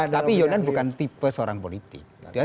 tapi yonan bukan tipe seorang politik